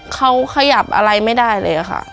เขาขยับอะไรไม่ได้เลยค่ะ